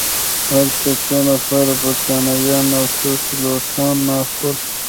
هلته څو نفره بریتانویان او څو پیلوټان ناست ول.